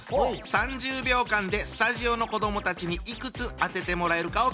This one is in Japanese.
３０秒間でスタジオの子どもたちにいくつ当ててもらえるかを競ってください。